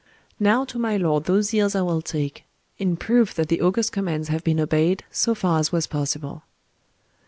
Now to my lord those ears I will take—in proof that the august commands have been obeyed, so far as was possible"...